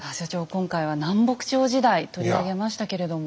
今回は南北朝時代取り上げましたけれども。